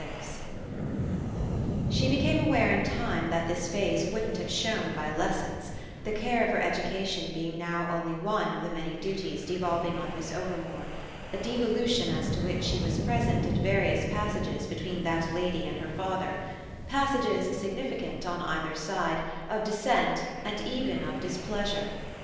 VI She became aware in time that this phase wouldn't have shone by lessons, the care of her education being now only one of the many duties devolving on Miss Overmore; a devolution as to which she was present at various passages between that lady and her father passages significant, on either side, of dissent and even of displeasure.